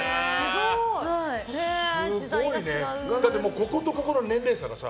こことここの年齢差がさ。